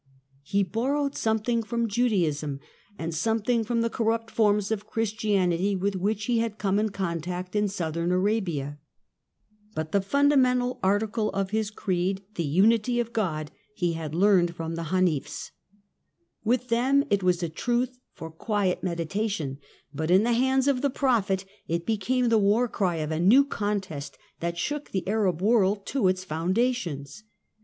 He bor rowed something from Judaism, and something from the corrupt forms of Christianity with which he had come in contact in Southern Arabia. But the funda mental article of his creed — the unity of God — he had 76 THE DAWN OF MEDIEVAL EUROPE learned from the Hanifs. With them it was a truth for quiet meditation, but in the hands of the prophet it became the war cry of a new contest that shook the Arab world to its foundations.